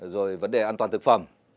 rồi vấn đề an toàn thực phẩm